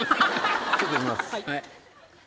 ちょっといきます。